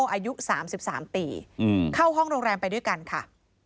อายุ๓๓ปีเข้าห้องโรงแรมไปด้วยกันค่ะ